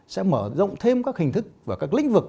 sẽ mở rộng thêm các hình thức và các lĩnh vực